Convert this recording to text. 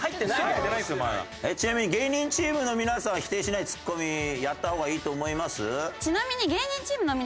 「ちなみに芸人チームの皆さんは否定しないツッコミやった方がいいと思います？」。